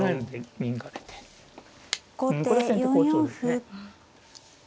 うんこれ先手好調ですね。